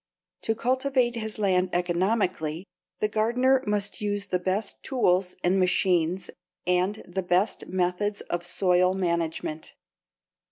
To cultivate his land economically the gardener must use the best tools and machines and the best methods of soil management.